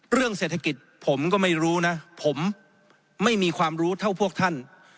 เรื่องเศรษฐกิจผมก็ไม่รู้นะผมไม่มีความรู้เท่าพวกท่าน